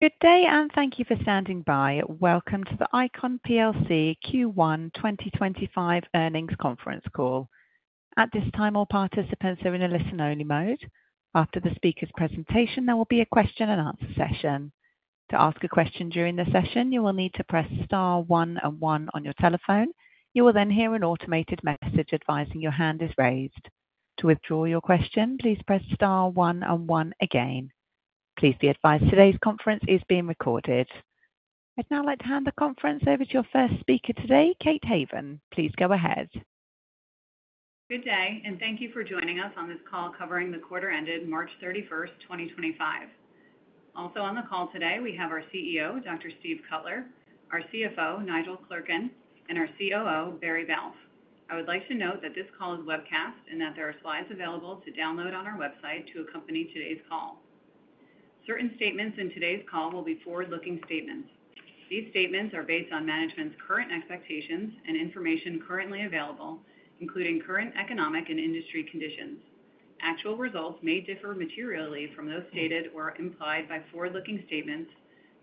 Good day, and thank you for standing by. Welcome to the ICON Q1 2025 earnings conference call. At this time, all participants are in a listen-only mode. After the speaker's presentation, there will be a question-and-answer session. To ask a question during the session, you will need to press star 1 and 1 on your telephone. You will then hear an automated message advising your hand is raised. To withdraw your question, please press star 1 and 1 again. Please be advised today's conference is being recorded. I'd now like to hand the conference over to your first speaker today, Kate Haven. Please go ahead. Good day, and thank you for joining us on this call covering the quarter ended March 31, 2025. Also on the call today, we have our CEO, Dr. Steve Cutler, our CFO, Nigel Clerkin, and our COO, Barry Balfe. I would like to note that this call is webcast and that there are slides available to download on our website to accompany today's call. Certain statements in today's call will be forward-looking statements. These statements are based on management's current expectations and information currently available, including current economic and industry conditions. Actual results may differ materially from those stated or implied by forward-looking statements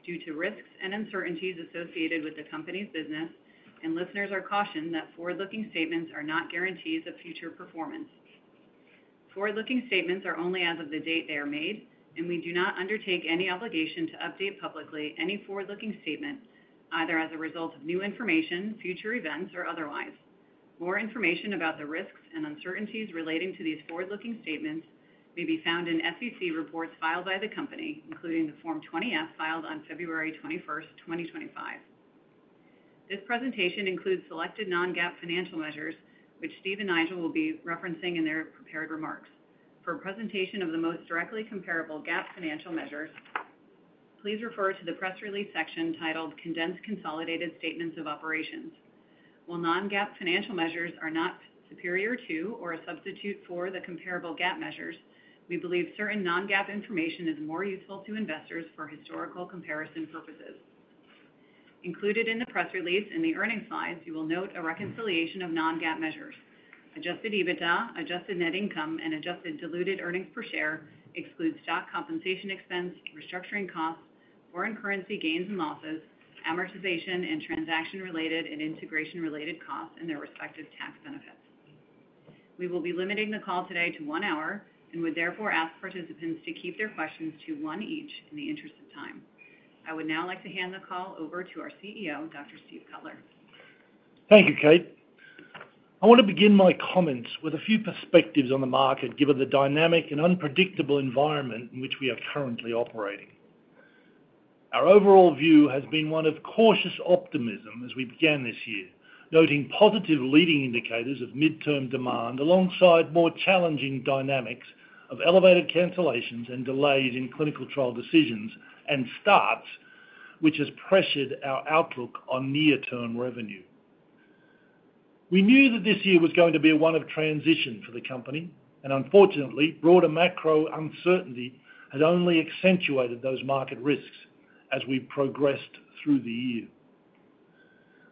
due to risks and uncertainties associated with the company's business, and listeners are cautioned that forward-looking statements are not guarantees of future performance. Forward-looking statements are only as of the date they are made, and we do not undertake any obligation to update publicly any forward-looking statement, either as a result of new information, future events, or otherwise. More information about the risks and uncertainties relating to these forward-looking statements may be found in SEC reports filed by the company, including the Form 20-F filed on February 21st, 2025. This presentation includes selected non-GAAP financial measures, which Steve and Nigel will be referencing in their prepared remarks. For a presentation of the most directly comparable GAAP financial measures, please refer to the press release section titled "Condensed Consolidated Statements of Operations." While non-GAAP financial measures are not superior to or a substitute for the comparable GAAP measures, we believe certain non-GAAP information is more useful to investors for historical comparison purposes. Included in the press release and the earnings slides, you will note a reconciliation of non-GAAP measures. Adjusted EBITDA, adjusted net income, and adjusted diluted earnings per share exclude stock compensation expense, restructuring costs, foreign currency gains and losses, amortization, and transaction-related and integration-related costs and their respective tax benefits. We will be limiting the call today to one hour and would therefore ask participants to keep their questions to one each in the interest of time. I would now like to hand the call over to our CEO, Dr. Steve Cutler. Thank you, Kate. I want to begin my comments with a few perspectives on the market given the dynamic and unpredictable environment in which we are currently operating. Our overall view has been one of cautious optimism as we began this year, noting positive leading indicators of midterm demand alongside more challenging dynamics of elevated cancellations and delays in clinical trial decisions and starts, which has pressured our outlook on near-term revenue. We knew that this year was going to be one of transition for the company, and unfortunately, broader macro uncertainty had only accentuated those market risks as we progressed through the year.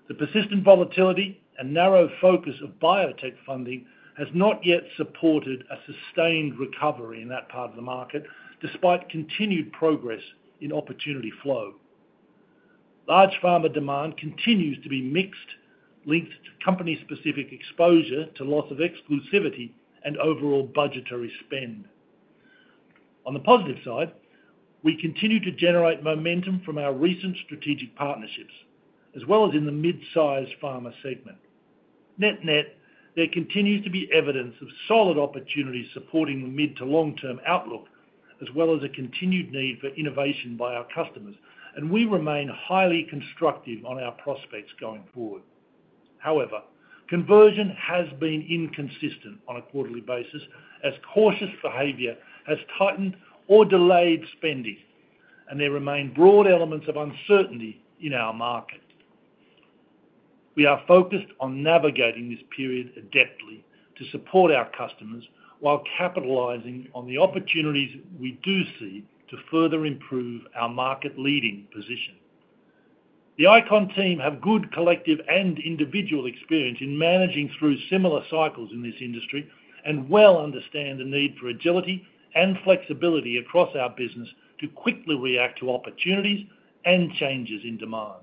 The persistent volatility and narrow focus of biotech funding has not yet supported a sustained recovery in that part of the market, despite continued progress in opportunity flow. Large pharma demand continues to be mixed, linked to company-specific exposure to loss of exclusivity and overall budgetary spend. On the positive side, we continue to generate momentum from our recent strategic partnerships, as well as in the mid-sized pharma segment. Net-net, there continues to be evidence of solid opportunity supporting the mid- to long-term outlook, as well as a continued need for innovation by our customers, and we remain highly constructive on our prospects going forward. However, conversion has been inconsistent on a quarterly basis as cautious behavior has tightened or delayed spending, and there remain broad elements of uncertainty in our market. We are focused on navigating this period adeptly to support our customers while capitalizing on the opportunities we do see to further improve our market-leading position. The ICON team have good collective and individual experience in managing through similar cycles in this industry and well understand the need for agility and flexibility across our business to quickly react to opportunities and changes in demand.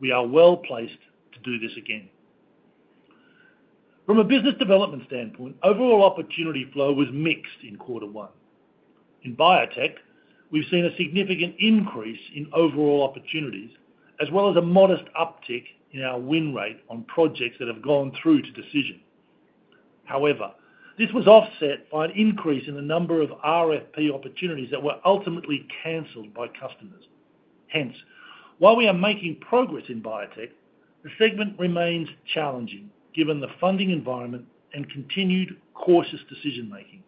We are well placed to do this again. From a business development standpoint, overall opportunity flow was mixed in quarter one. In biotech, we've seen a significant increase in overall opportunities, as well as a modest uptick in our win rate on projects that have gone through to decision. However, this was offset by an increase in the number of RFP opportunities that were ultimately canceled by customers. Hence, while we are making progress in biotech, the segment remains challenging given the funding environment and continued cautious decision-making.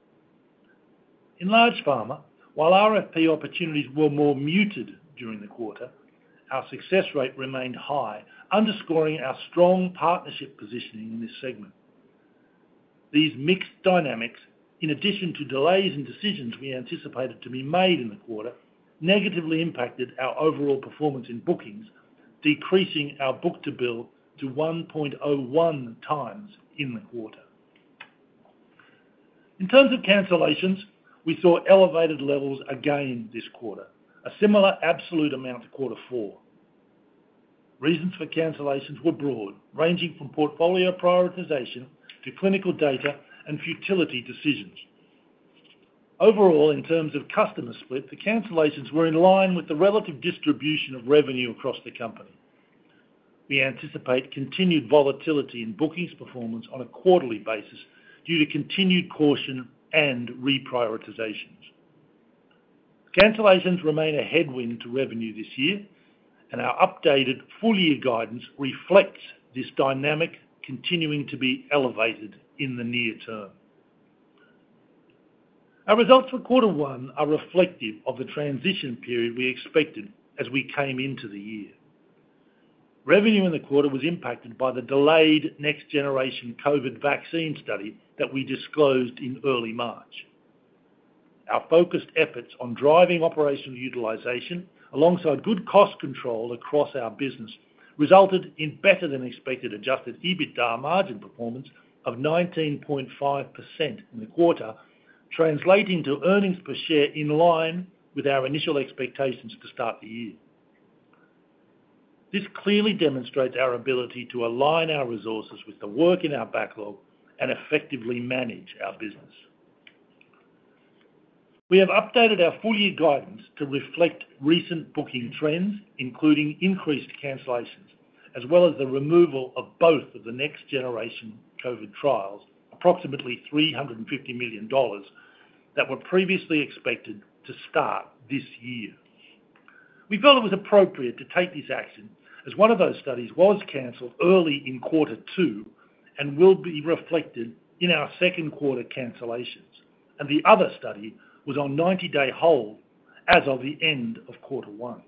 In large pharma, while RFP opportunities were more muted during the quarter, our success rate remained high, underscoring our strong partnership positioning in this segment. These mixed dynamics, in addition to delays in decisions we anticipated to be made in the quarter, negatively impacted our overall performance in bookings, decreasing our book-to-bill to 1.01 times in the quarter. In terms of cancellations, we saw elevated levels again this quarter, a similar absolute amount to quarter four. Reasons for cancellations were broad, ranging from portfolio prioritization to clinical data and futility decisions. Overall, in terms of customer split, the cancellations were in line with the relative distribution of revenue across the company. We anticipate continued volatility in bookings performance on a quarterly basis due to continued caution and reprioritizations. Cancellations remain a headwind to revenue this year, and our updated full-year guidance reflects this dynamic continuing to be elevated in the near term. Our results for quarter one are reflective of the transition period we expected as we came into the year. Revenue in the quarter was impacted by the delayed next-generation COVID vaccine study that we disclosed in early March. Our focused efforts on driving operational utilization alongside good cost control across our business resulted in better-than-expected adjusted EBITDA margin performance of 19.5% in the quarter, translating to earnings per share in line with our initial expectations to start the year. This clearly demonstrates our ability to align our resources with the work in our backlog and effectively manage our business. We have updated our full-year guidance to reflect recent booking trends, including increased cancellations, as well as the removal of both of the next-generation COVID trials, approximately $350 million, that were previously expected to start this year. We felt it was appropriate to take this action as one of those studies was canceled early in quarter two and will be reflected in our second quarter cancellations, and the other study was on 90-day hold as of the end of quarter one.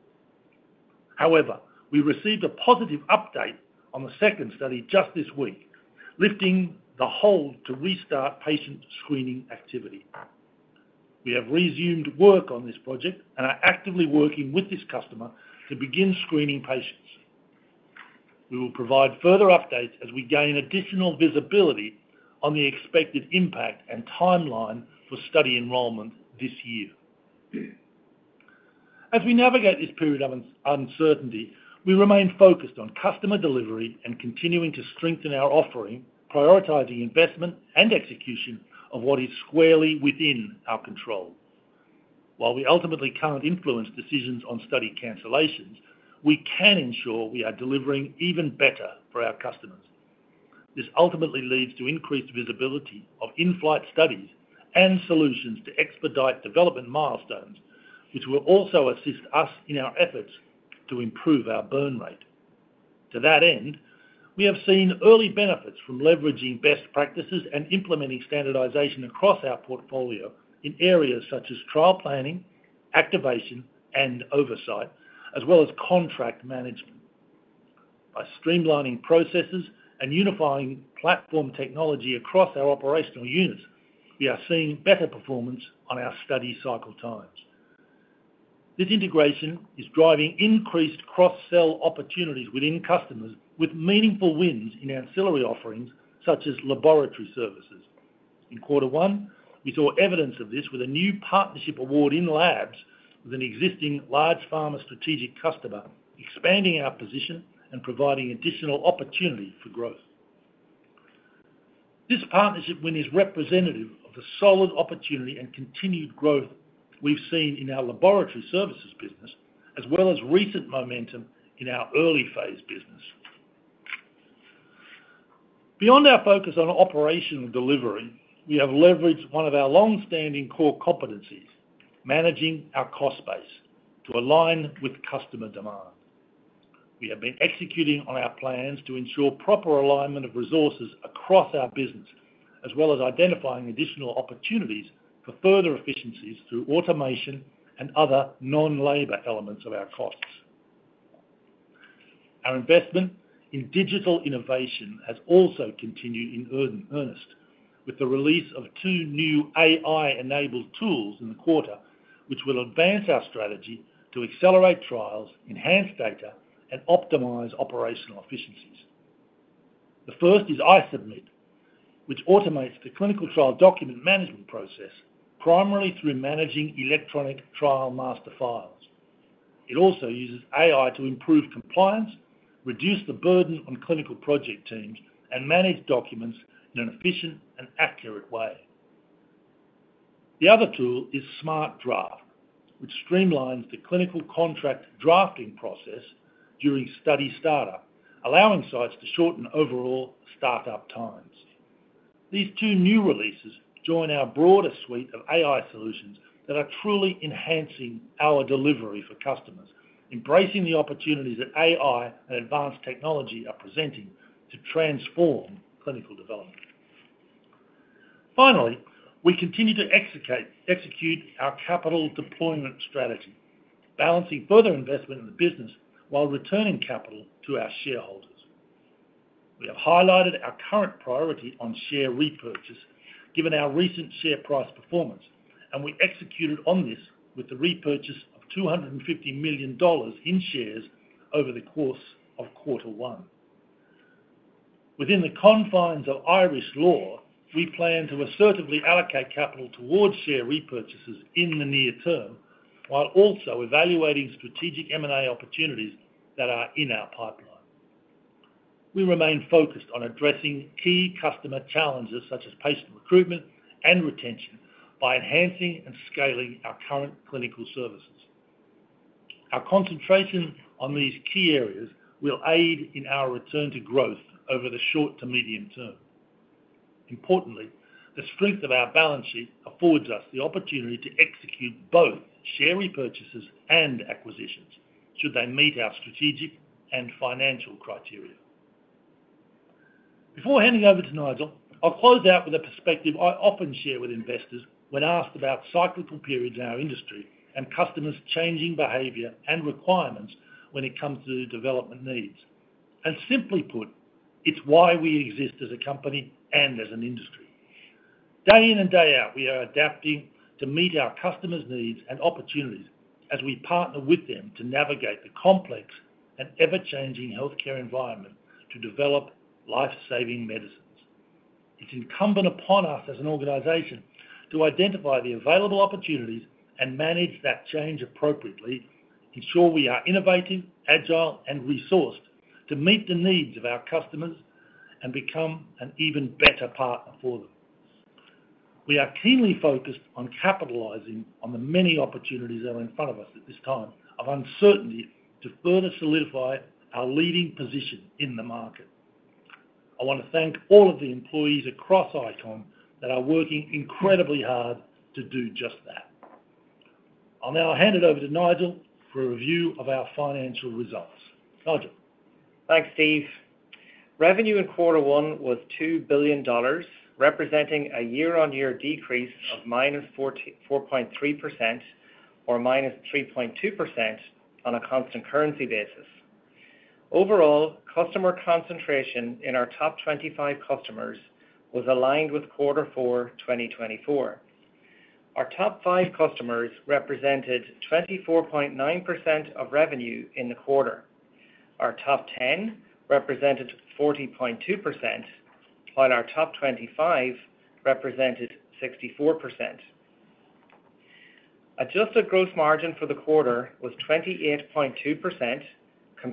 However, we received a positive update on the second study just this week, lifting the hold to restart patient screening activity. We have resumed work on this project and are actively working with this customer to begin screening patients. We will provide further updates as we gain additional visibility on the expected impact and timeline for study enrollment this year. As we navigate this period of uncertainty, we remain focused on customer delivery and continuing to strengthen our offering, prioritizing investment and execution of what is squarely within our control. While we ultimately can't influence decisions on study cancellations, we can ensure we are delivering even better for our customers. This ultimately leads to increased visibility of in-flight studies and solutions to expedite development milestones, which will also assist us in our efforts to improve our burn rate. To that end, we have seen early benefits from leveraging best practices and implementing standardization across our portfolio in areas such as trial planning, activation, and oversight, as well as contract management. By streamlining processes and unifying platform technology across our operational units, we are seeing better performance on our study cycle times. This integration is driving increased cross-sell opportunities within customers, with meaningful wins in ancillary offerings such as laboratory services. In quarter one, we saw evidence of this with a new partnership award in labs with an existing large pharma strategic customer, expanding our position and providing additional opportunity for growth. This partnership win is representative of the solid opportunity and continued growth we've seen in our laboratory services business, as well as recent momentum in our early-phase business. Beyond our focus on operational delivery, we have leveraged one of our long-standing core competencies, managing our cost base, to align with customer demand. We have been executing on our plans to ensure proper alignment of resources across our business, as well as identifying additional opportunities for further efficiencies through automation and other non-labor elements of our costs. Our investment in digital innovation has also continued in earnest, with the release of two new AI-enabled tools in the quarter, which will advance our strategy to accelerate trials, enhance data, and optimize operational efficiencies. The first is iSubmit, which automates the clinical trial document management process primarily through managing electronic trial master files. It also uses AI to improve compliance, reduce the burden on clinical project teams, and manage documents in an efficient and accurate way. The other tool is SmartDraft, which streamlines the clinical contract drafting process during study startup, allowing sites to shorten overall startup times. These two new releases join our broader suite of AI solutions that are truly enhancing our delivery for customers, embracing the opportunities that AI and advanced technology are presenting to transform clinical development. Finally, we continue to execute our capital deployment strategy, balancing further investment in the business while returning capital to our shareholders. We have highlighted our current priority on share repurchase given our recent share price performance, and we executed on this with the repurchase of $250 million in shares over the course of quarter one. Within the confines of Irish law, we plan to assertively allocate capital towards share repurchases in the near term while also evaluating strategic M&A opportunities that are in our pipeline. We remain focused on addressing key customer challenges such as patient recruitment and retention by enhancing and scaling our current clinical services. Our concentration on these key areas will aid in our return to growth over the short to medium term. Importantly, the strength of our balance sheet affords us the opportunity to execute both share repurchases and acquisitions should they meet our strategic and financial criteria. Before handing over to Nigel, I'll close out with a perspective I often share with investors when asked about cyclical periods in our industry and customers' changing behavior and requirements when it comes to development needs. Simply put, it's why we exist as a company and as an industry. Day in and day out, we are adapting to meet our customers' needs and opportunities as we partner with them to navigate the complex and ever-changing healthcare environment to develop life-saving medicines. It's incumbent upon us as an organization to identify the available opportunities and manage that change appropriately, ensure we are innovative, agile, and resourced to meet the needs of our customers and become an even better partner for them. We are keenly focused on capitalizing on the many opportunities that are in front of us at this time of uncertainty to further solidify our leading position in the market. I want to thank all of the employees across ICON that are working incredibly hard to do just that. I'll now hand it over to Nigel for a review of our financial results. Nigel. Thanks, Steve. Revenue in quarter one was $2 billion, representing a year-on-year decrease of -4.3% or -3.2% on a constant currency basis. Overall, customer concentration in our top 25 customers was aligned with quarter four 2024. Our top five customers represented 24.9% of revenue in the quarter. Our top 10 represented 40.2%, while our top 25 represented 64%. Adjusted gross margin for the quarter was 28.2%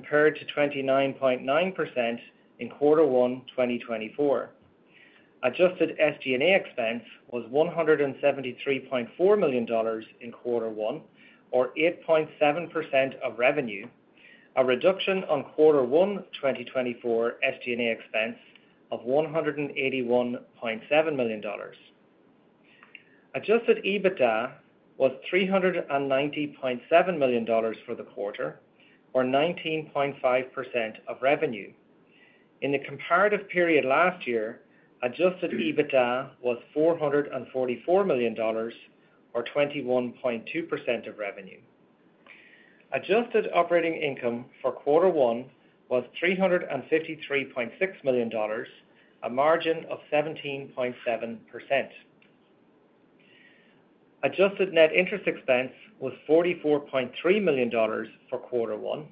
compared to 29.9% in quarter one 2024. Adjusted SG&A expense was $173.4 million in quarter one, or 8.7% of revenue, a reduction on quarter one 2024 SG&A expense of $181.7 million. Adjusted EBITDA was $390.7 million for the quarter, or 19.5% of revenue. In the comparative period last year, adjusted EBITDA was $444 million, or 21.2% of revenue. Adjusted operating income for quarter one was $353.6 million, a margin of 17.7%. Adjusted net interest expense was $44.3 million for quarter one.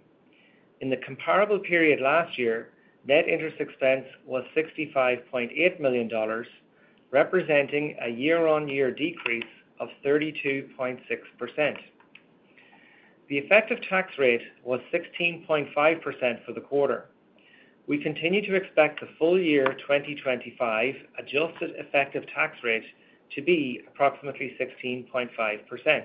In the comparable period last year, net interest expense was $65.8 million, representing a year-on-year decrease of 32.6%. The effective tax rate was 16.5% for the quarter. We continue to expect the full year 2025 adjusted effective tax rate to be approximately 16.5%.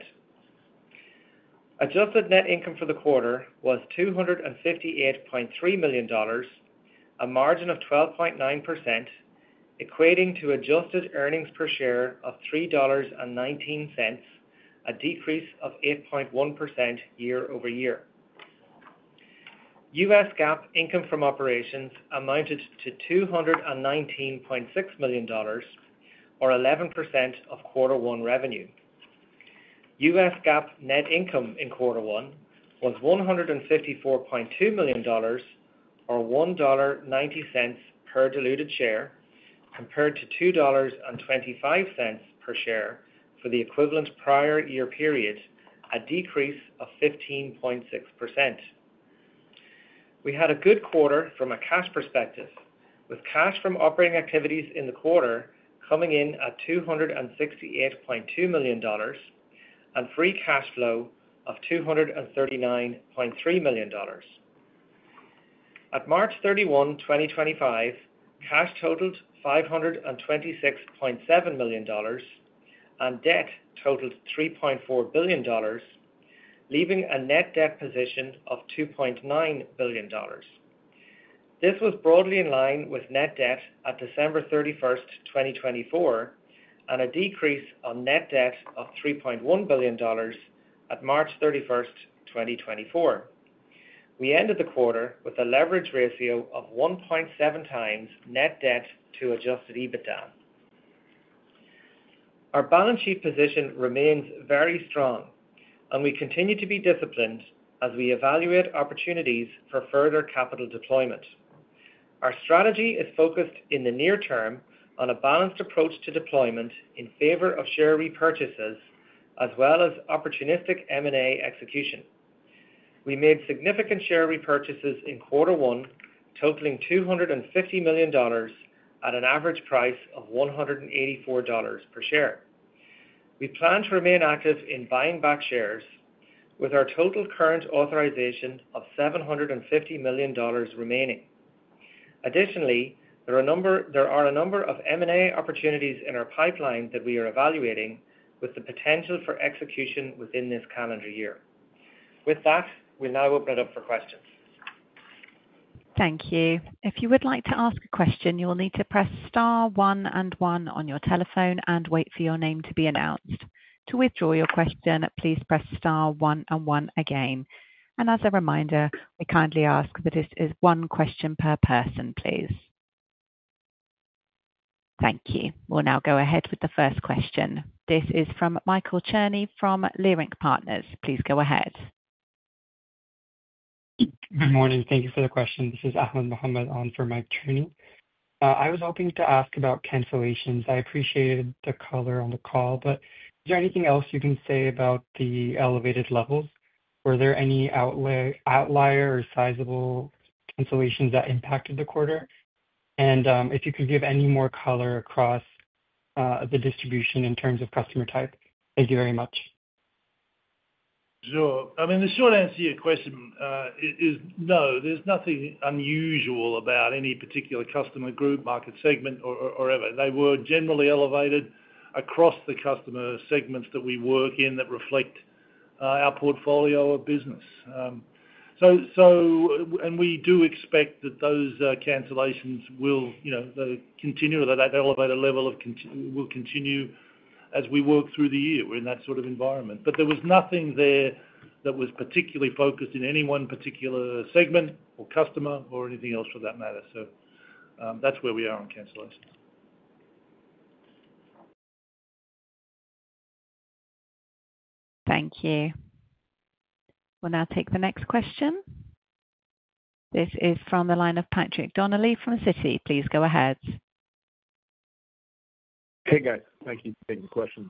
Adjusted net income for the quarter was $258.3 million, a margin of 12.9%, equating to adjusted earnings per share of $3.19, a decrease of 8.1% year over year. US GAAP income from operations amounted to $219.6 million, or 11% of quarter one revenue. US GAAP net income in quarter one was $154.2 million, or $1.90 per diluted share, compared to $2.25 per share for the equivalent prior year period, a decrease of 15.6%. We had a good quarter from a cash perspective, with cash from operating activities in the quarter coming in at $268.2 million and free cash flow of $239.3 million. At March 31, 2025, cash totaled $526.7 million and debt totaled $3.4 billion, leaving a net debt position of $2.9 billion. This was broadly in line with net debt at December 31, 2024, and a decrease on net debt of $3.1 billion at March 31, 2024. We ended the quarter with a leverage ratio of 1.7 times net debt to adjusted EBITDA. Our balance sheet position remains very strong, and we continue to be disciplined as we evaluate opportunities for further capital deployment. Our strategy is focused in the near term on a balanced approach to deployment in favor of share repurchases, as well as opportunistic M&A execution. We made significant share repurchases in quarter one, totaling $250 million at an average price of $184 per share. We plan to remain active in buying back shares, with our total current authorization of $750 million remaining. Additionally, there are a number of M&A opportunities in our pipeline that we are evaluating, with the potential for execution within this calendar year. With that, we'll now open it up for questions. Thank you. If you would like to ask a question, you'll need to press star one and one on your telephone and wait for your name to be announced. To withdraw your question, please press star one and one again. As a reminder, we kindly ask that this is one question per person, please. Thank you. We'll now go ahead with the first question. This is from Michael Cherny from Leerink Partners. Please go ahead. Good morning. Thank you for the question. This is Ahmed Muhammad on for Mike Cherny. I was hoping to ask about cancellations. I appreciated the color on the call, but is there anything else you can say about the elevated levels? Were there any outlier or sizable cancellations that impacted the quarter? If you could give any more color across the distribution in terms of customer type, thank you very much. Sure. I mean, the short answer to your question is no, there's nothing unusual about any particular customer group, market segment, or ever. They were generally elevated across the customer segments that we work in that reflect our portfolio of business. We do expect that those cancellations will continue or that that elevated level will continue as we work through the year. We are in that sort of environment. There was nothing there that was particularly focused in any one particular segment or customer or anything else for that matter. That is where we are on cancellations. Thank you. We will now take the next question. This is from the line of Patrick Donnelly from Citi. Please go ahead. Okay. Thank you for taking the question.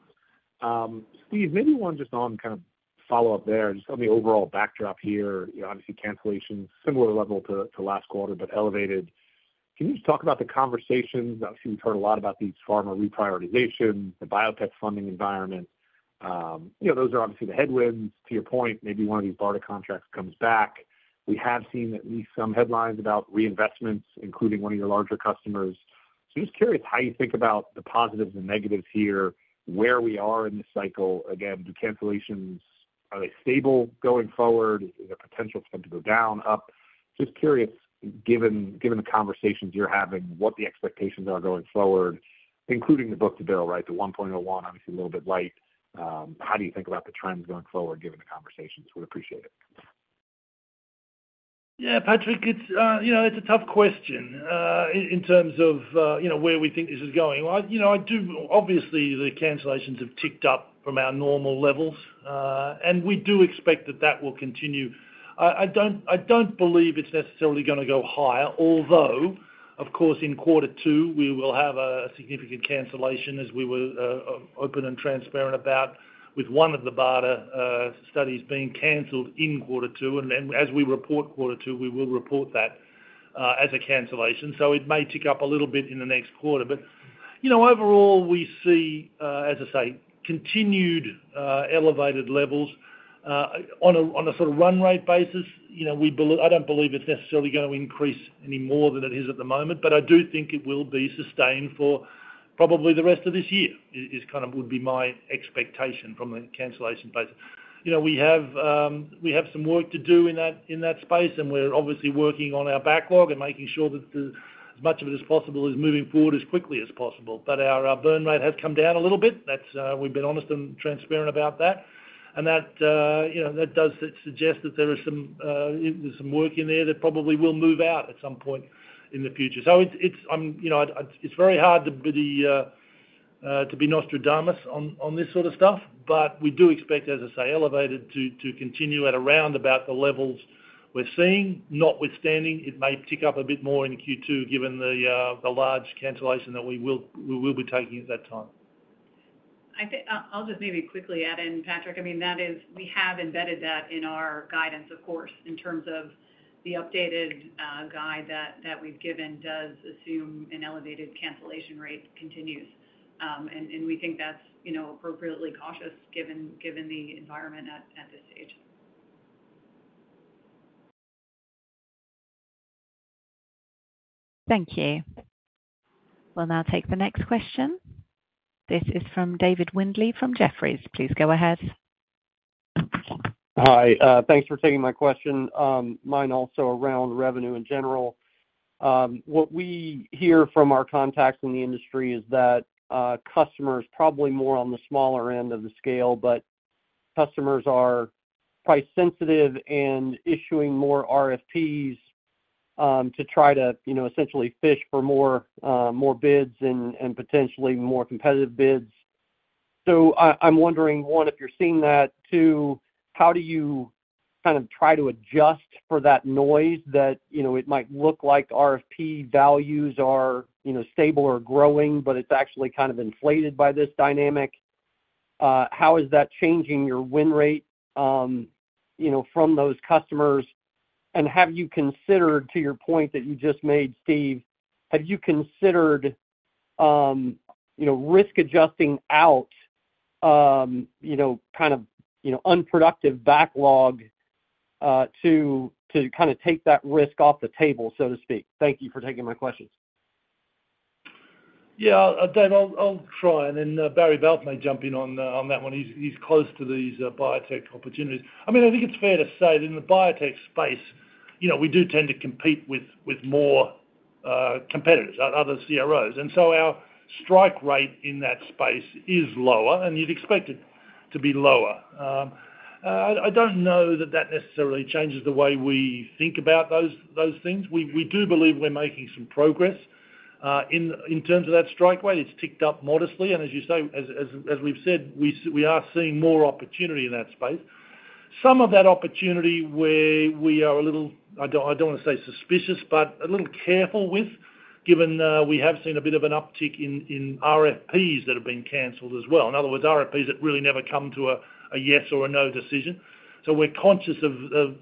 Steve, maybe one just on kind of follow-up there, just on the overall backdrop here, obviously cancellations, similar level to last quarter, but elevated. Can you just talk about the conversations? Obviously, we have heard a lot about these pharma reprioritizations, the biotech funding environment. Those are obviously the headwinds. To your point, maybe one of these BARDA contracts comes back. We have seen at least some headlines about reinvestments, including one of your larger customers. Just curious how you think about the positives and negatives here, where we are in the cycle. Again, the cancellations, are they stable going forward? Is there potential for them to go down, up? Just curious, given the conversations you're having, what the expectations are going forward, including the book-to-bill, right? The 1.01, obviously a little bit light. How do you think about the trends going forward given the conversations? We'd appreciate it. Yeah, Patrick, it's a tough question in terms of where we think this is going. Obviously, the cancellations have ticked up from our normal levels, and we do expect that that will continue. I don't believe it's necessarily going to go higher, although, of course, in quarter two, we will have a significant cancellation, as we were open and transparent about, with one of the BARDA studies being canceled in quarter two. As we report quarter two, we will report that as a cancellation. It may tick up a little bit in the next quarter. Overall, we see, as I say, continued elevated levels. On a sort of run rate basis, I don't believe it's necessarily going to increase any more than it is at the moment, but I do think it will be sustained for probably the rest of this year is kind of would be my expectation from the cancellation basis. We have some work to do in that space, and we're obviously working on our backlog and making sure that as much of it as possible is moving forward as quickly as possible. Our burn rate has come down a little bit. We've been honest and transparent about that. That does suggest that there is some work in there that probably will move out at some point in the future. It's very hard to be Nostradamus on this sort of stuff, but we do expect, as I say, elevated to continue at around about the levels we're seeing, notwithstanding it may tick up a bit more in Q2 given the large cancellation that we will be taking at that time. I'll just maybe quickly add in, Patrick. I mean, we have embedded that in our guidance, of course, in terms of the updated guide that we've given does assume an elevated cancellation rate continues. And we think that's appropriately cautious given the environment at this stage. Thank you. We'll now take the next question. This is from David Windley from Jefferies. Please go ahead. Hi. Thanks for taking my question. Mine also around revenue in general. What we hear from our contacts in the industry is that customers, probably more on the smaller end of the scale, but customers are quite sensitive and issuing more RFPs to try to essentially fish for more bids and potentially more competitive bids. So I'm wondering, one, if you're seeing that. Two, how do you kind of try to adjust for that noise that it might look like RFP values are stable or growing, but it's actually kind of inflated by this dynamic? How is that changing your win rate from those customers? Have you considered, to your point that you just made, Steve, have you considered risk-adjusting out kind of unproductive backlog to kind of take that risk off the table, so to speak? Thank you for taking my questions. Yeah, I'll try. Then Barry Balfe may jump in on that one. He's close to these biotech opportunities. I mean, I think it's fair to say that in the biotech space, we do tend to compete with more competitors, other CROs. Our strike rate in that space is lower, and you'd expect it to be lower. I don't know that that necessarily changes the way we think about those things. We do believe we're making some progress in terms of that strike rate. It's ticked up modestly. As you say, as we've said, we are seeing more opportunity in that space. Some of that opportunity where we are a little—I don't want to say suspicious—but a little careful with, given we have seen a bit of an uptick in RFPs that have been canceled as well. In other words, RFPs that really never come to a yes or a no decision. We are conscious of,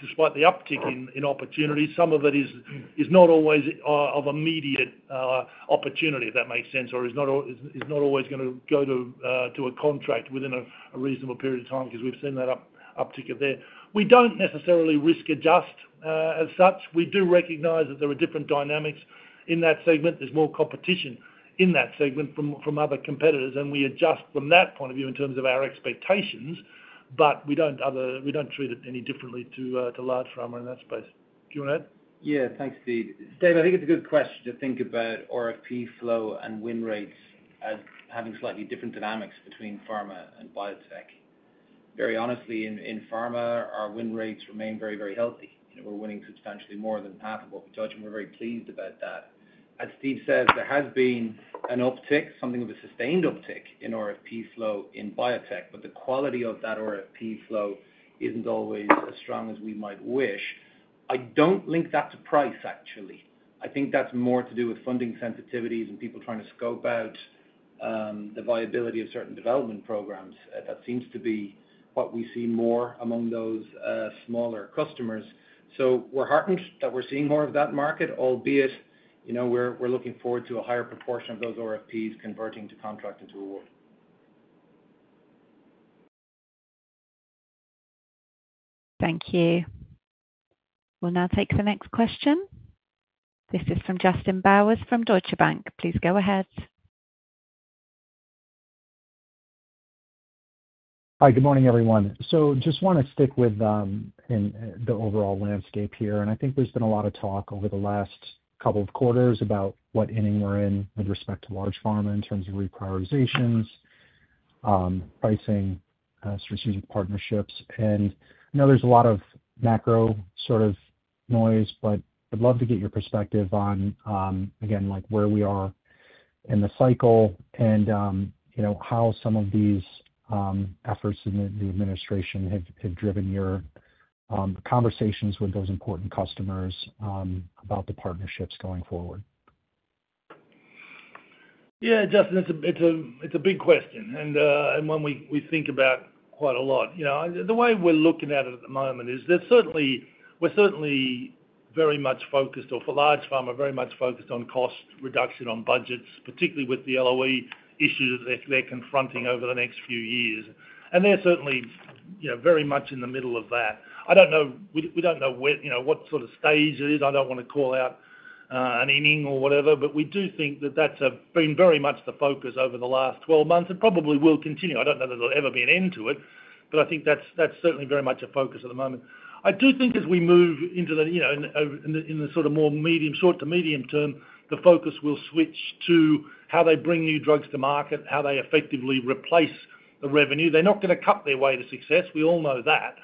despite the uptick in opportunity, some of it is not always of immediate opportunity, if that makes sense, or is not always going to go to a contract within a reasonable period of time because we've seen that uptick there. We don't necessarily risk-adjust as such. We do recognize that there are different dynamics in that segment. There's more competition in that segment from other competitors, and we adjust from that point of view in terms of our expectations, but we don't treat it any differently to large pharma in that space. Do you want to add? Yeah. Thanks, Steve. David, I think it's a good question to think about RFP flow and win rates as having slightly different dynamics between pharma and biotech. Very honestly, in pharma, our win rates remain very, very healthy. We're winning substantially more than half of what we touch, and we're very pleased about that. As Steve says, there has been an uptick, something of a sustained uptick in RFP flow in biotech, but the quality of that RFP flow isn't always as strong as we might wish. I don't link that to price, actually. I think that's more to do with funding sensitivities and people trying to scope out the viability of certain development programs. That seems to be what we see more among those smaller customers. We're heartened that we're seeing more of that market, albeit we're looking forward to a higher proportion of those RFPs converting to contract into award. Thank you. We'll now take the next question. This is from Justin Bowers from Deutsche Bank. Please go ahead. Hi. Good morning, everyone. I just want to stick with the overall landscape here. I think there's been a lot of talk over the last couple of quarters about what inning we're in with respect to large pharma in terms of reprioritizations, pricing, strategic partnerships. I know there's a lot of macro sort of noise, but I'd love to get your perspective on, again, where we are in the cycle and how some of these efforts in the administration have driven your conversations with those important customers about the partnerships going forward. Yeah, Justin, it's a big question. And one we think about quite a lot. The way we're looking at it at the moment is that we're certainly very much focused, or for large pharma, very much focused on cost reduction on budgets, particularly with the LOE issues that they're confronting over the next few years. They're certainly very much in the middle of that. I don't know. We don't know what sort of stage it is. I don't want to call out an inning or whatever, but we do think that that's been very much the focus over the last 12 months and probably will continue. I don't know that there'll ever be an end to it, but I think that's certainly very much a focus at the moment. I do think as we move into the in the sort of more short to medium term, the focus will switch to how they bring new drugs to market, how they effectively replace the revenue. They're not going to cut their way to success. We all know that.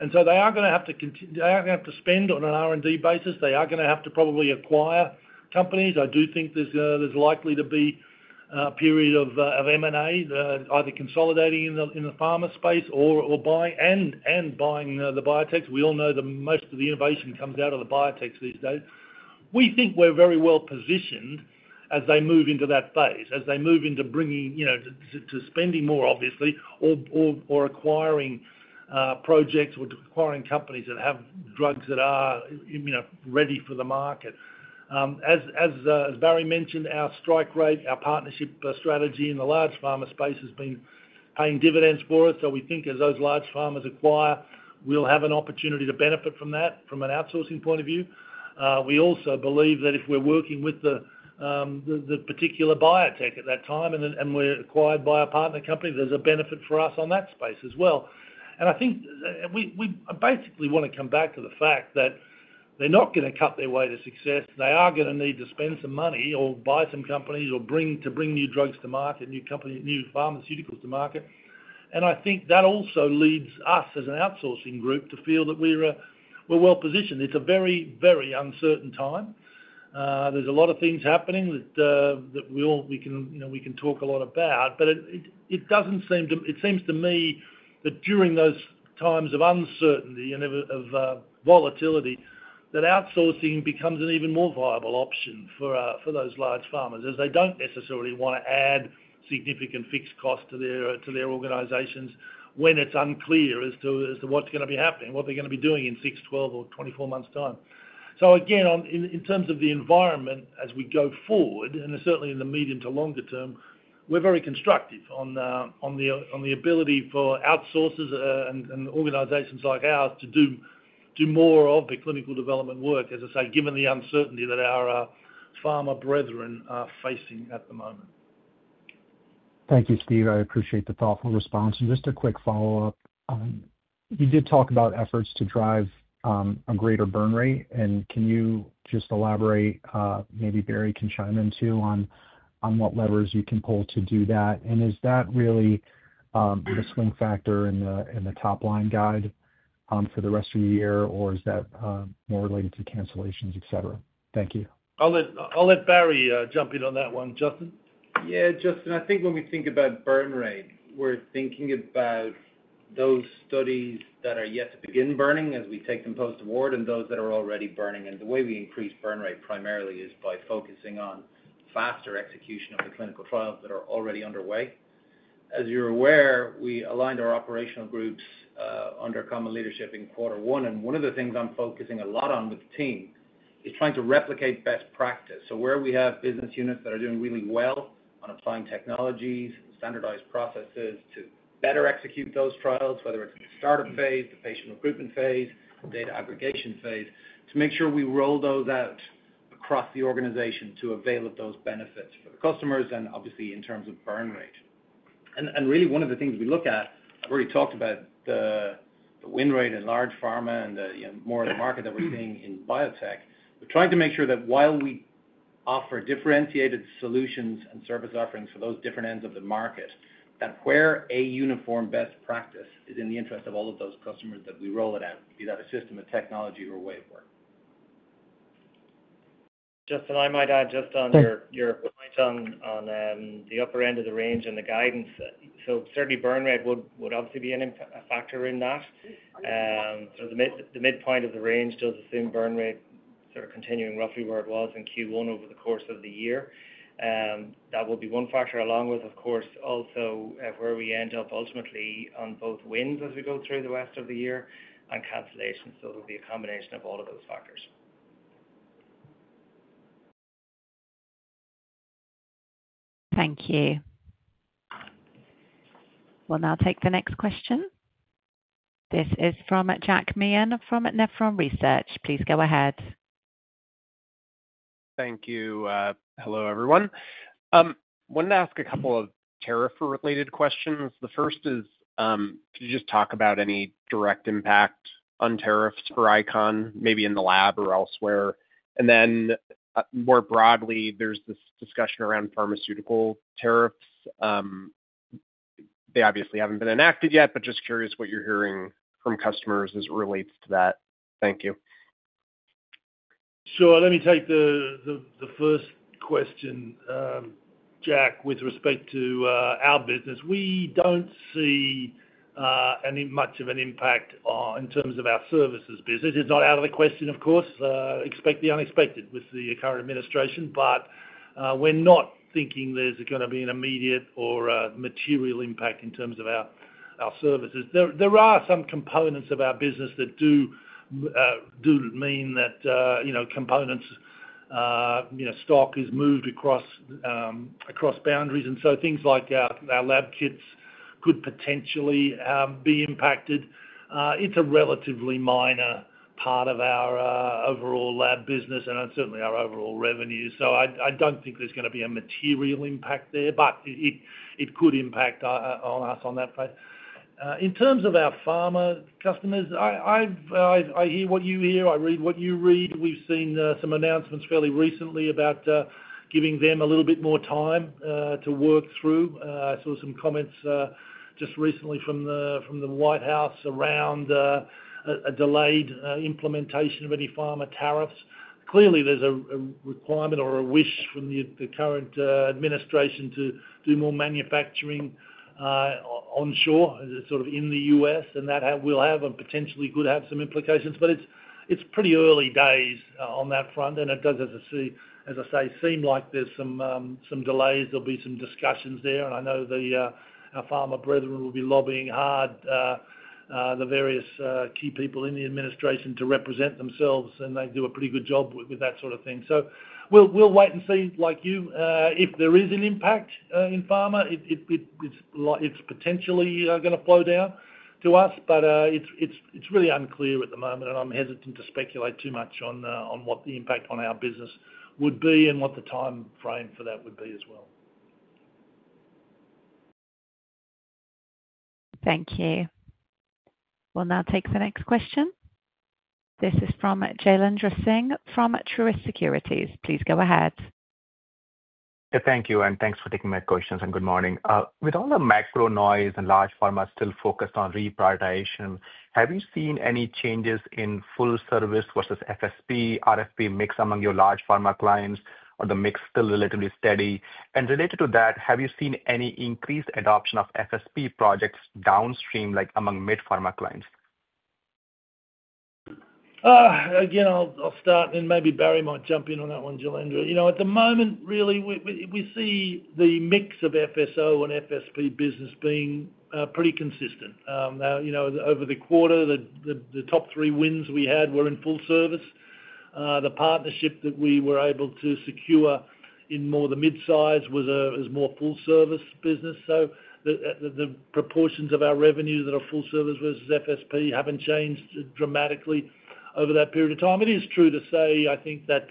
They are going to have to spend on an R&D basis. They are going to have to probably acquire companies. I do think there's likely to be a period of M&A, either consolidating in the pharma space or buying and buying the biotechs. We all know that most of the innovation comes out of the biotechs these days. We think we're very well positioned as they move into that phase, as they move into bringing to spending more, obviously, or acquiring projects or acquiring companies that have drugs that are ready for the market. As Barry mentioned, our strike rate, our partnership strategy in the large pharma space has been paying dividends for us. We think as those large pharmas acquire, we'll have an opportunity to benefit from that from an outsourcing point of view. We also believe that if we're working with the particular biotech at that time and we're acquired by a partner company, there's a benefit for us on that space as well. I think we basically want to come back to the fact that they're not going to cut their way to success. They are going to need to spend some money or buy some companies or to bring new drugs to market, new pharmaceuticals to market. I think that also leads us as an outsourcing group to feel that we're well positioned. It's a very, very uncertain time. There's a lot of things happening that we can talk a lot about, but it doesn't seem to me that during those times of uncertainty and of volatility, outsourcing becomes an even more viable option for those large pharmas as they don't necessarily want to add significant fixed costs to their organizations when it's unclear as to what's going to be happening, what they're going to be doing in 6, 12, or 24 months' time. In terms of the environment as we go forward, and certainly in the medium to longer term, we're very constructive on the ability for outsourcers and organizations like ours to do more of the clinical development work, as I say, given the uncertainty that our pharma brethren are facing at the moment. Thank you, Steve. I appreciate the thoughtful response. Just a quick follow-up. You did talk about efforts to drive a greater burn rate. Can you just elaborate? Maybe Barry can chime in too on what levers you can pull to do that. Is that really the swing factor in the top-line guide for the rest of the year, or is that more related to cancellations, etc.? Thank you. I'll let Barry jump in on that one. Justin? Yeah, Justin. I think when we think about burn rate, we're thinking about those studies that are yet to begin burning as we take them post-award and those that are already burning. The way we increase burn rate primarily is by focusing on faster execution of the clinical trials that are already underway. As you're aware, we aligned our operational groups under common leadership in quarter one. One of the things I'm focusing a lot on with the team is trying to replicate best practice. Where we have business units that are doing really well on applying technologies, standardized processes to better execute those trials, whether it's the startup phase, the patient recruitment phase, the data aggregation phase, we make sure we roll those out across the organization to avail of those benefits for the customers and obviously in terms of burn rate. One of the things we look at, I've already talked about the win rate in large pharma and more of the market that we're seeing in biotech. We're trying to make sure that while we offer differentiated solutions and service offerings for those different ends of the market, that where a uniform best practice is in the interest of all of those customers that we roll it out, be that a system of technology or a way of work. Justin, I might add just on your point on the upper end of the range and the guidance. Certainly, burn rate would obviously be a factor in that. The midpoint of the range does assume burn rate sort of continuing roughly where it was in Q1 over the course of the year. That will be one factor, along with, of course, also where we end up ultimately on both wins as we go through the rest of the year and cancellations. It will be a combination of all of those factors. Thank you. We'll now take the next question. This is from Jack Meehan from Nephron Research. Please go ahead. Thank you. Hello, everyone. I wanted to ask a couple of tariff-related questions. The first is, could you just talk about any direct impact on tariffs for ICON, maybe in the lab or elsewhere? And then more broadly, there's this discussion around pharmaceutical tariffs. They obviously haven't been enacted yet, but just curious what you're hearing from customers as it relates to that. Thank you. Let me take the first question, Jack, with respect to our business. We don't see much of an impact in terms of our services business. It's not out of the question, of course. Expect the unexpected with the current administration, but we're not thinking there's going to be an immediate or material impact in terms of our services. There are some components of our business that do mean that components, stock is moved across boundaries. Things like our lab kits could potentially be impacted. It's a relatively minor part of our overall lab business and certainly our overall revenue. I don't think there's going to be a material impact there, but it could impact us on that front. In terms of our pharma customers, I hear what you hear. I read what you read. We've seen some announcements fairly recently about giving them a little bit more time to work through. I saw some comments just recently from the White House around a delayed implementation of any pharma tariffs. Clearly, there's a requirement or a wish from the current administration to do more manufacturing onshore, sort of in the U.S., and that will have and potentially could have some implications. It is pretty early days on that front. It does, as I say, seem like there's some delays. There will be some discussions there. I know our pharma brethren will be lobbying hard, the various key people in the administration to represent themselves, and they do a pretty good job with that sort of thing. We will wait and see, like you, if there is an impact in pharma. It is potentially going to flow down to us, but it is really unclear at the moment, and I am hesitant to speculate too much on what the impact on our business would be and what the time frame for that would be as well. Thank you. We'll now take the next question. This is from Jailendra Singh from Truist Securities. Please go ahead. Thank you. And thanks for taking my questions, and good morning. With all the macro noise and large pharma still focused on reprioritization, have you seen any changes in full service versus FSP, RFP mix among your large pharma clients, or the mix still relatively steady? Related to that, have you seen any increased adoption of FSP projects downstream among mid-pharma clients? Again, I'll start, and maybe Barry might jump in on that one, Jaylandra. At the moment, really, we see the mix of FSO and FSP business being pretty consistent. Now, over the quarter, the top three wins we had were in full service. The partnership that we were able to secure in more of the mid-size was more full service business. The proportions of our revenues that are full service versus FSP haven't changed dramatically over that period of time. It is true to say, I think that,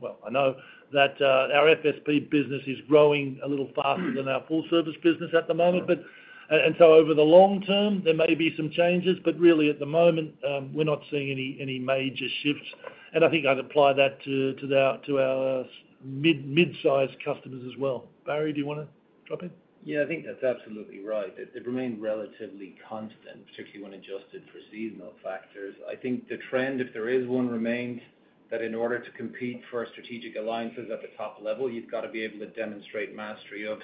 well, I know that our FSP business is growing a little faster than our full service business at the moment. Over the long term, there may be some changes, but really, at the moment, we're not seeing any major shifts. I think I'd apply that to our mid-size customers as well. Barry, do you want to drop in? Yeah, I think that's absolutely right. It remained relatively constant, particularly when adjusted for seasonal factors. I think the trend, if there is one, remains that in order to compete for strategic alliances at the top level, you've got to be able to demonstrate mastery of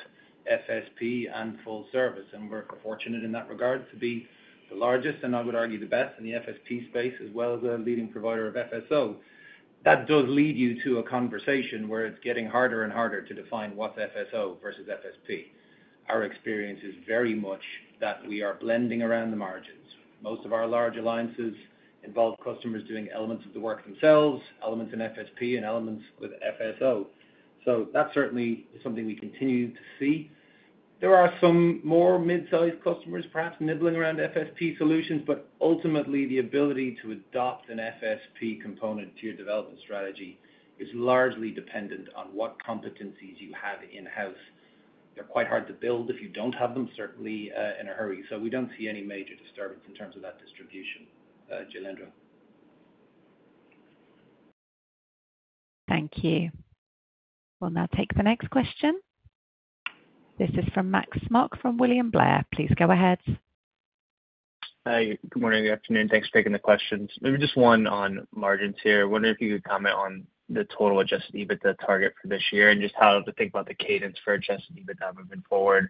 FSP and full service. We're fortunate in that regard to be the largest, and I would argue the best in the FSP space, as well as a leading provider of FSO. That does lead you to a conversation where it's getting harder and harder to define what's FSO versus FSP. Our experience is very much that we are blending around the margins. Most of our large alliances involve customers doing elements of the work themselves, elements in FSP, and elements with FSO. That's certainly something we continue to see. There are some more mid-size customers, perhaps nibbling around FSP solutions, but ultimately, the ability to adopt an FSP component to your development strategy is largely dependent on what competencies you have in-house. They're quite hard to build if you don't have them, certainly in a hurry. We don't see any major disturbance in terms of that distribution, Jaylandra. Thank you. We'll now take the next question. This is from Max Smock from William Blair. Please go ahead. Hi. Good morning. Good afternoon. Thanks for taking the questions. Maybe just one on margins here. I wonder if you could comment on the total adjusted EBITDA target for this year and just how to think about the cadence for adjusted EBITDA moving forward.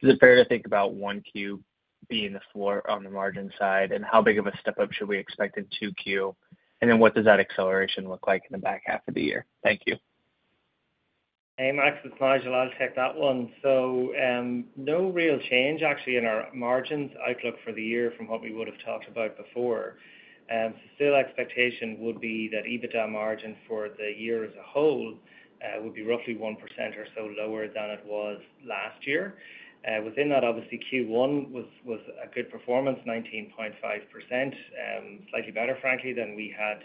Is it fair to think about one Q being the floor on the margin side, and how big of a step up should we expect in two Q? And then what does that acceleration look like in the back half of the year? Thank you. Hey, Max, it's Nigel. I'll take that one. No real change, actually, in our margins outlook for the year from what we would have talked about before. Still, expectation would be that EBITDA margin for the year as a whole would be roughly 1% or so lower than it was last year. Within that, obviously, Q1 was a good performance, 19.5%, slightly better, frankly, than we had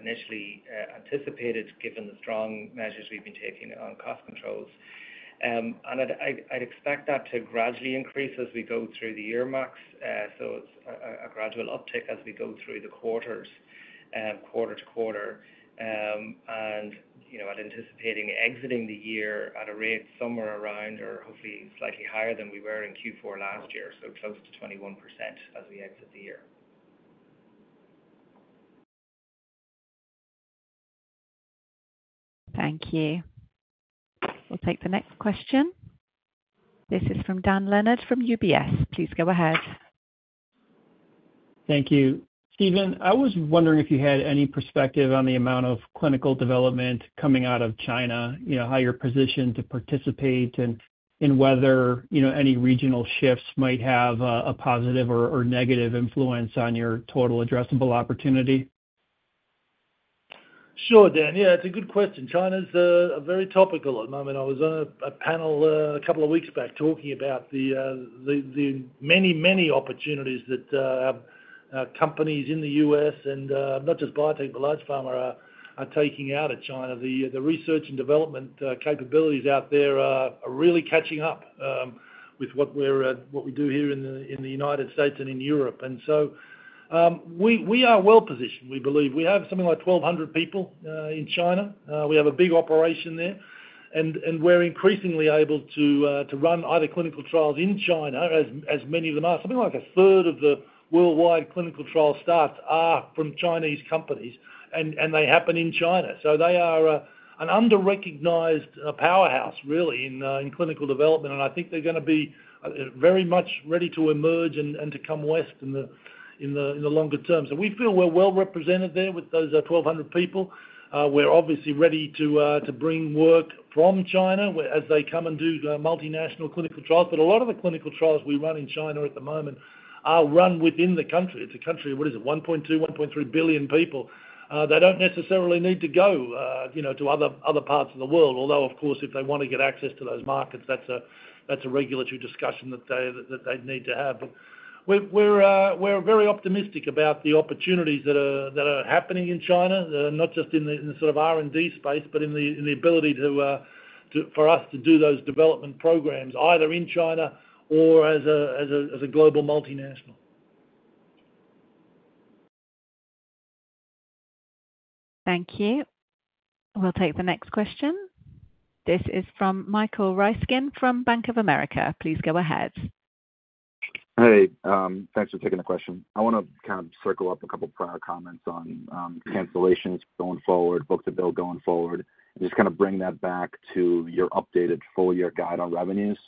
initially anticipated given the strong measures we've been taking on cost controls. I'd expect that to gradually increase as we go through the year, Max, so it's a gradual uptick as we go through the quarters, quarter to quarter. I'd anticipate exiting the year at a rate somewhere around, or hopefully slightly higher than we were in Q4 last year, so close to 21% as we exit the year. Thank you. We'll take the next question. This is from Dan Leonard from UBS. Please go ahead. Thank you. Steven, I was wondering if you had any perspective on the amount of clinical development coming out of China, how you're positioned to participate, and whether any regional shifts might have a positive or negative influence on your total addressable opportunity. Sure, Dan. Yeah, it's a good question. China's very topical at the moment. I was on a panel a couple of weeks back talking about the many, many opportunities that companies in the U.S., and not just biotech, but large pharma, are taking out of China. The research and development capabilities out there are really catching up with what we do here in the United States and in Europe. We are well positioned, we believe. We have something like 1,200 people in China. We have a big operation there. We're increasingly able to run either clinical trials in China, as many of them are. Something like a third of the worldwide clinical trial starts are from Chinese companies, and they happen in China. They are an under-recognized powerhouse, really, in clinical development. I think they're going to be very much ready to emerge and to come west in the longer term. We feel we're well represented there with those 1,200 people. We're obviously ready to bring work from China as they come and do multinational clinical trials. A lot of the clinical trials we run in China at the moment are run within the country. It's a country of, what is it, 1.2, 1.3 billion people. They do not necessarily need to go to other parts of the world, although, of course, if they want to get access to those markets, that's a regulatory discussion that they'd need to have. We're very optimistic about the opportunities that are happening in China, not just in the sort of R&D space, but in the ability for us to do those development programs either in China or as a global multinational. Thank you. We'll take the next question. This is from Michael Ryskin from Bank of America. Please go ahead. Hey, thanks for taking the question. I want to kind of circle up a couple of prior comments on cancellations going forward, book-to-bill going forward, and just kind of bring that back to your updated full-year guide on revenues.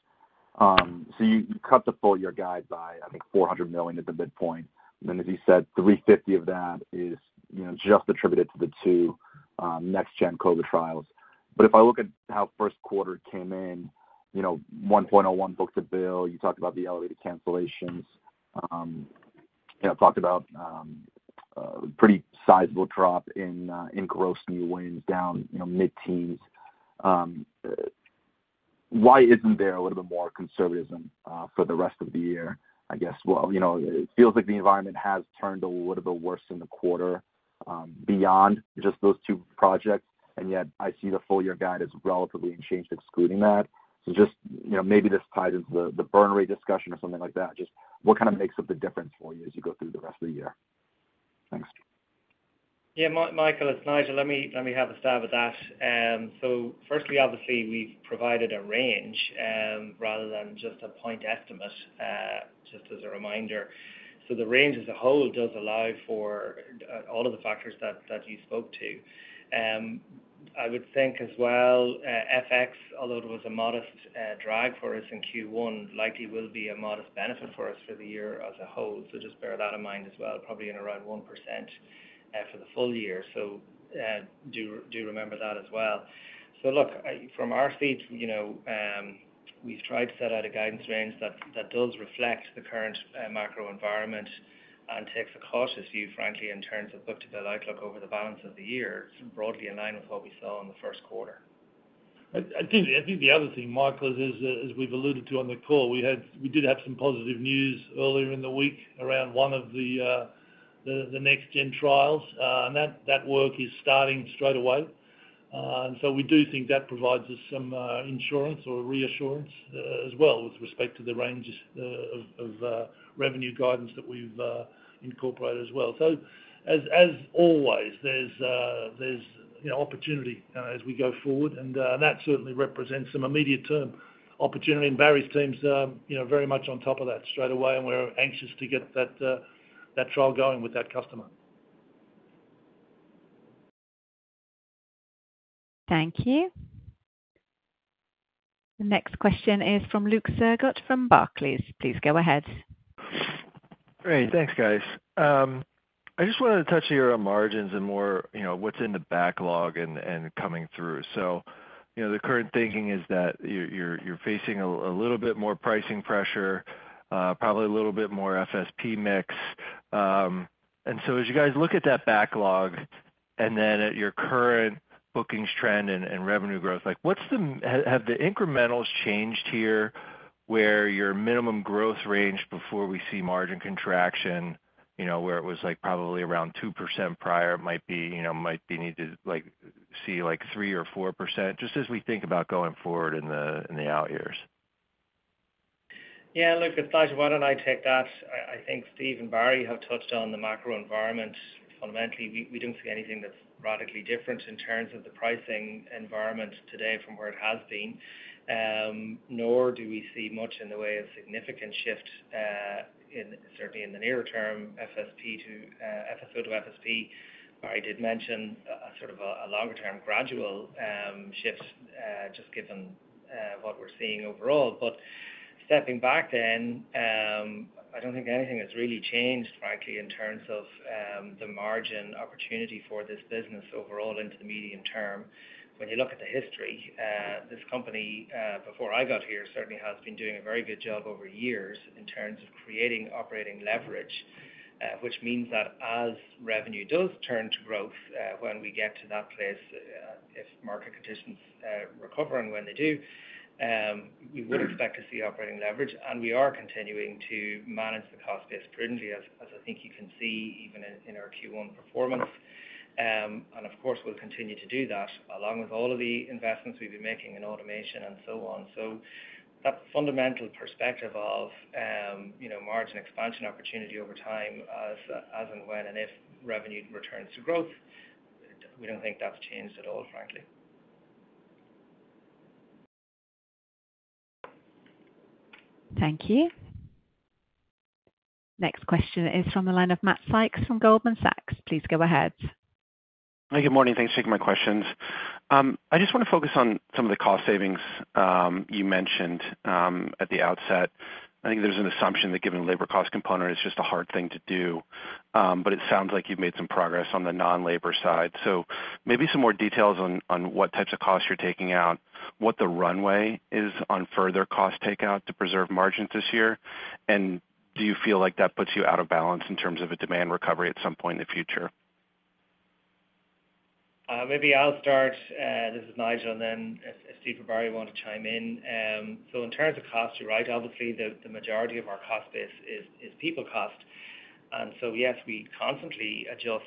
You cut the full-year guide by, I think, $400 million at the midpoint. Then, as you said, $350 million of that is just attributed to the two next-gen COVID trials. If I look at how first quarter came in, 1.01 book-to-bill, you talked about the elevated cancellations, talked about a pretty sizable drop in gross new wins down mid-teens. Why isn't there a little bit more conservatism for the rest of the year, I guess? It feels like the environment has turned a little bit worse in the quarter beyond just those two projects, and yet I see the full-year guide as relatively unchanged, excluding that. Maybe this ties into the burn rate discussion or something like that. What kind of makes up the difference for you as you go through the rest of the year? Thanks. Yeah, Michael, it's Nigel. Let me have a stab at that. Firstly, obviously, we've provided a range rather than just a point estimate, just as a reminder. The range as a whole does allow for all of the factors that you spoke to. I would think as well, FX, although it was a modest drag for us in Q1, likely will be a modest benefit for us for the year as a whole. Just bear that in mind as well, probably in around 1% for the full year. Do remember that as well. Look, from our seat, we've tried to set out a guidance range that does reflect the current macro environment and takes a cautious view, frankly, in terms of book-to-bill outlook over the balance of the year. It's broadly in line with what we saw in the first quarter. I think the other thing, Michael, is, as we've alluded to on the call, we did have some positive news earlier in the week around one of the next-gen trials. That work is starting straight away. We do think that provides us some insurance or reassurance as well with respect to the range of revenue guidance that we've incorporated as well. As always, there's opportunity as we go forward. That certainly represents some immediate-term opportunity. Barry's team's very much on top of that straight away, and we're anxious to get that trial going with that customer. Thank you. The next question is from Luke Sergott from Barclays. Please go ahead. Great. Thanks, guys. I just wanted to touch on your margins and more what's in the backlog and coming through. The current thinking is that you're facing a little bit more pricing pressure, probably a little bit more FSP mix. As you guys look at that backlog and then at your current bookings trend and revenue growth, have the incrementals changed here where your minimum growth range before we see margin contraction, where it was probably around 2% prior, might need to see 3% or 4%, just as we think about going forward in the out years? Yeah, look, it's Nigel, why don't I take that? I think Steve and Barry have touched on the macro environment. Fundamentally, we don't see anything that's radically different in terms of the pricing environment today from where it has been, nor do we see much in the way of significant shift, certainly in the near term, FSP to FSO to FSP. Barry did mention sort of a longer-term gradual shift just given what we're seeing overall. Stepping back then, I don't think anything has really changed, frankly, in terms of the margin opportunity for this business overall into the medium term. When you look at the history, this company, before I got here, certainly has been doing a very good job over years in terms of creating operating leverage, which means that as revenue does turn to growth when we get to that place, if market conditions recover and when they do, we would expect to see operating leverage. We are continuing to manage the cost base prudently, as I think you can see even in our Q1 performance. Of course, we'll continue to do that along with all of the investments we've been making in automation and so on. That fundamental perspective of margin expansion opportunity over time, as and when and if revenue returns to growth, we do not think that has changed at all, frankly. Thank you. Next question is from the line of Matt Sykes from Goldman Sachs. Please go ahead. Hi, good morning. Thanks for taking my questions. I just want to focus on some of the cost savings you mentioned at the outset. I think there is an assumption that given labor cost component, it is just a hard thing to do. It sounds like you have made some progress on the non-labor side. Maybe some more details on what types of costs you are taking out, what the runway is on further cost takeout to preserve margins this year, and do you feel like that puts you out of balance in terms of a demand recovery at some point in the future? Maybe I will start. This is Nigel, and then if Steve or Barry want to chime in. In terms of cost, you're right. Obviously, the majority of our cost base is people cost. Yes, we constantly adjust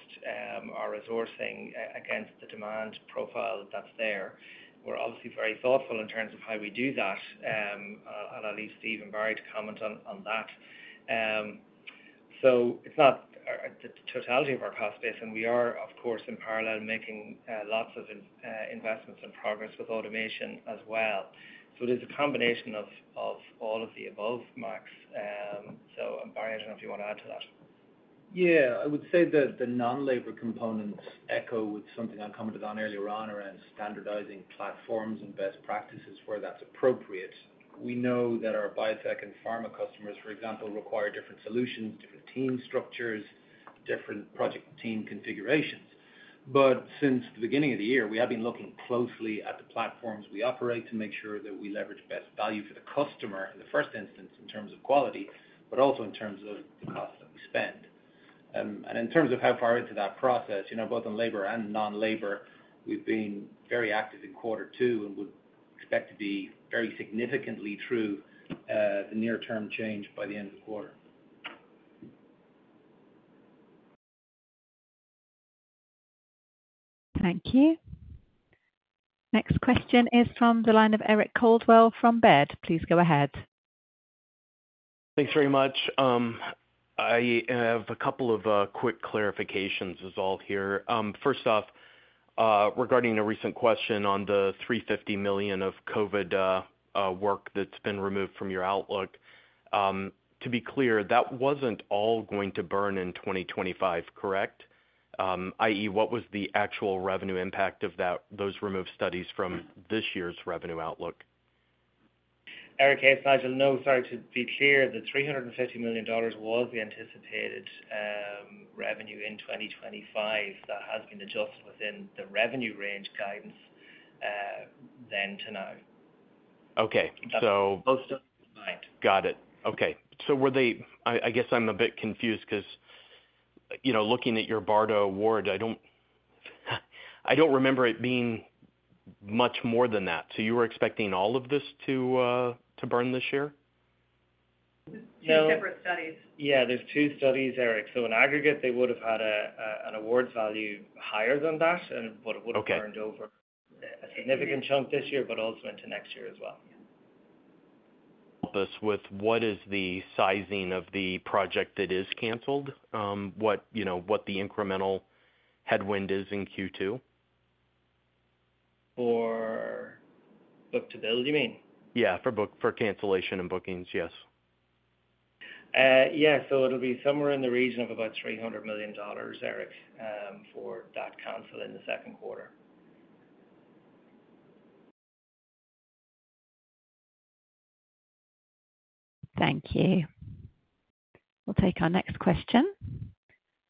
our resourcing against the demand profile that's there. We're obviously very thoughtful in terms of how we do that. I'll leave Steve and Barry to comment on that. It's not the totality of our cost base, and we are, of course, in parallel making lots of investments and progress with automation as well. It is a combination of all of the above, Max. Barry, I don't know if you want to add to that. Yeah, I would say that the non-labor components echo with something I commented on earlier on around standardizing platforms and best practices where that's appropriate. We know that our biotech and pharma customers, for example, require different solutions, different team structures, different project team configurations. Since the beginning of the year, we have been looking closely at the platforms we operate to make sure that we leverage best value for the customer in the first instance in terms of quality, but also in terms of the cost that we spend. In terms of how far into that process, both on labor and non-labor, we've been very active in quarter two and would expect to be very significantly through the near-term change by the end of the quarter. Thank you. Next question is from the line of Eric Coldwell from Baird. Please go ahead. Thanks very much. I have a couple of quick clarifications as well here. First off, regarding a recent question on the $350 million of COVID work that's been removed from your outlook, to be clear, that wasn't all going to burn in 2025, correct? I.e., what was the actual revenue impact of those removed studies from this year's revenue outlook? Eric here, Nigel. No, sorry. To be clear, the $350 million was the anticipated revenue in 2025 that has been adjusted within the revenue range guidance then to now. Okay. Got it. Okay. I guess I'm a bit confused because looking at your BARDA award, I don't remember it being much more than that. You were expecting all of this to burn this year? Two separate studies. Yeah, there's two studies, Eric. In aggregate, they would have had an award value higher than that, and it would have burned over a significant chunk this year, but also into next year as well. Help us with what is the sizing of the project that is canceled, what the incremental headwind is in Q2? For book to bill, you mean? Yeah, for cancellation and bookings, yes. Yeah, so it'll be somewhere in the region of about $300 million, Eric, for that cancel in the second quarter. Thank you. We'll take our next question.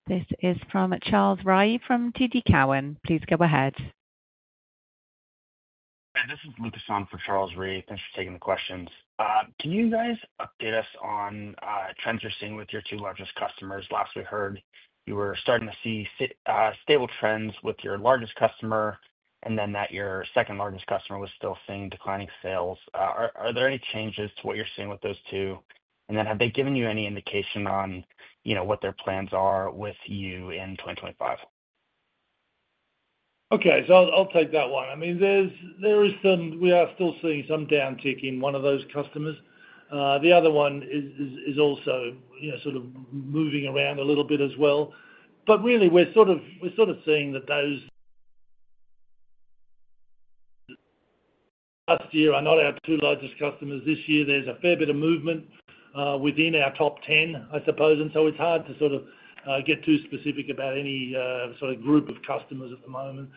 This is from Charles Rhyee from TD Cowen. Please go ahead. Hi, this is Lucas on for Charles Rhyee. Thanks for taking the questions. Can you guys update us on trends you're seeing with your two largest customers? Last we heard, you were starting to see stable trends with your largest customer, and then that your second largest customer was still seeing declining sales. Are there any changes to what you're seeing with those two? Have they given you any indication on what their plans are with you in 2025? Okay, I'll take that one. I mean, we are still seeing some downtick in one of those customers. The other one is also sort of moving around a little bit as well. Really, we're sort of seeing that those last year are not our two largest customers. This year, there's a fair bit of movement within our top 10, I suppose. It's hard to sort of get too specific about any sort of group of customers at the moment.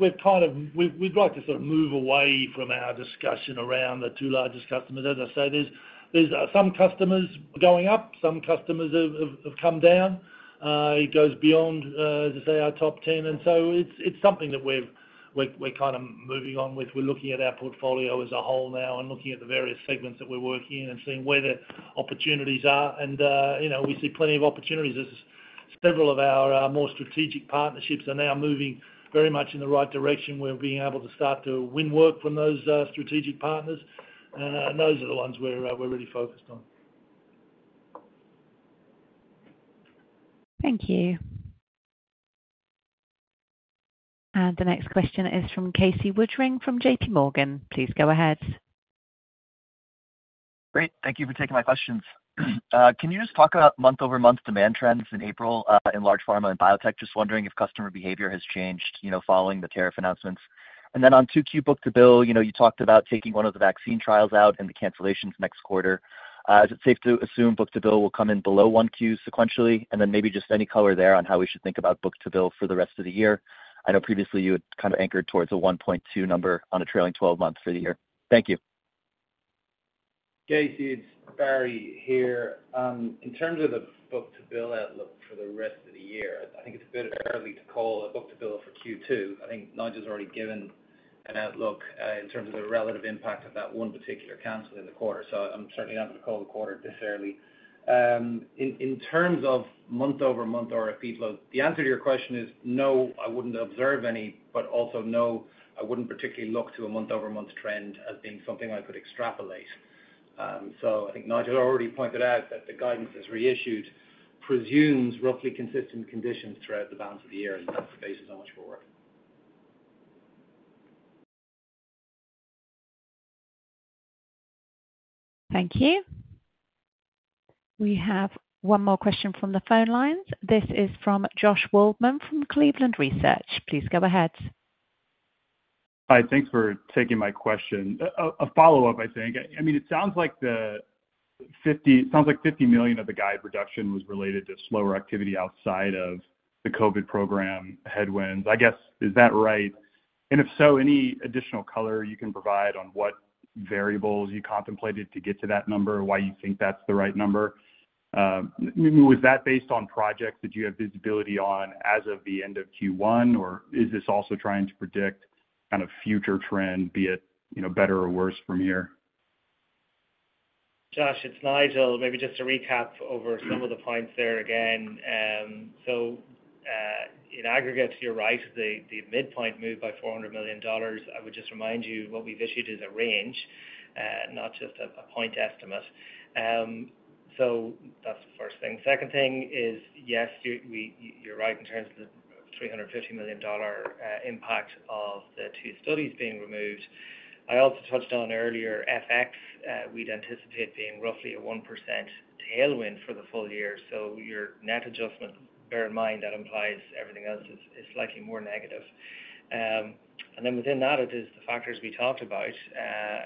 We've kind of, we'd like to sort of move away from our discussion around the two largest customers. As I say, there's some customers going up, some customers have come down. It goes beyond, as I say, our top 10. It's something that we're kind of moving on with. We're looking at our portfolio as a whole now and looking at the various segments that we're working in and seeing where the opportunities are. We see plenty of opportunities as several of our more strategic partnerships are now moving very much in the right direction. We're being able to start to win work from those strategic partners. Those are the ones we're really focused on. Thank you. The next question is from Casey Woodring from J.P. Morgan. Please go ahead. Great. Thank you for taking my questions. Can you just talk about month-over-month demand trends in April in large pharma and biotech? Just wondering if customer behavior has changed following the tariff announcements. On 2Q book to bill, you talked about taking one of the vaccine trials out and the cancellations next quarter. Is it safe to assume book to bill will come in below 1Q sequentially? Maybe just any color there on how we should think about book to bill for the rest of the year. I know previously you had kind of anchored towards a 1.2 number on a trailing 12 months for the year. Thank you. Casey, it's Barry here. In terms of the book to bill outlook for the rest of the year, I think it's a bit early to call a book to bill for Q2. I think Nigel's already given an outlook in terms of the relative impact of that one particular cancel in the quarter. I'm certainly not going to call the quarter this early. In terms of month-over-month RFP flow, the answer to your question is no, I wouldn't observe any, but also no, I wouldn't particularly look to a month-over-month trend as being something I could extrapolate. I think Nigel already pointed out that the guidance that's reissued presumes roughly consistent conditions throughout the balance of the year and that's the basis on which we're working. Thank you. We have one more question from the phone lines. This is from Josh Waldman from Cleveland Research. Please go ahead. Hi, thanks for taking my question. A follow-up, I think. I mean, it sounds like the 50, it sounds like $50 million of the guide reduction was related to slower activity outside of the COVID program headwinds. I guess, is that right? If so, any additional color you can provide on what variables you contemplated to get to that number, why you think that's the right number? Was that based on projects that you have visibility on as of the end of Q1, or is this also trying to predict kind of future trend, be it better or worse from here? Josh, it's Nigel. Maybe just to recap over some of the points there again. In aggregate, you're right, the midpoint moved by $400 million. I would just remind you what we've issued is a range, not just a point estimate. That's the first thing. Second thing is, yes, you're right in terms of the $350 million impact of the two studies being removed. I also touched on earlier FX, we'd anticipate being roughly a 1% tailwind for the full year. Your net adjustment, bear in mind that implies everything else is slightly more negative. Within that, it is the factors we talked about.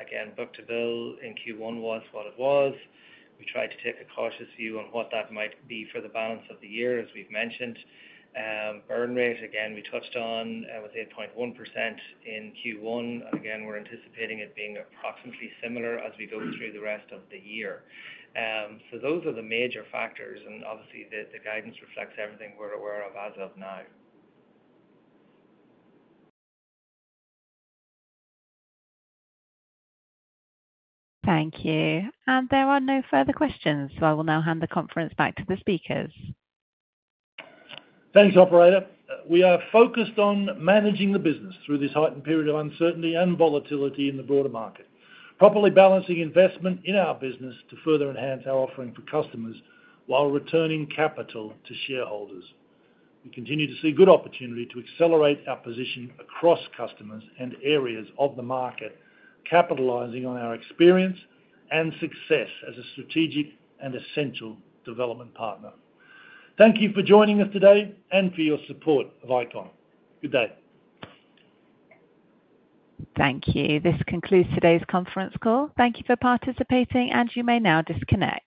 Again, book to bill in Q1 was what it was. We tried to take a cautious view on what that might be for the balance of the year, as we've mentioned. Burn rate, again, we touched on, was 8.1% in Q1. We are anticipating it being approximately similar as we go through the rest of the year. Those are the major factors. Obviously, the guidance reflects everything we're aware of as of now. Thank you. There are no further questions. I will now hand the conference back to the speakers. Thanks, operator. We are focused on managing the business through this heightened period of uncertainty and volatility in the broader market, properly balancing investment in our business to further enhance our offering for customers while returning capital to shareholders. We continue to see good opportunity to accelerate our position across customers and areas of the market, capitalizing on our experience and success as a strategic and essential development partner. Thank you for joining us today and for your support of ICON. Good day. Thank you. This concludes today's conference call. Thank you for participating, and you may now disconnect.